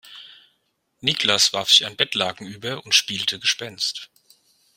Niklas warf sich ein Bettlaken über und spielte Gespenst.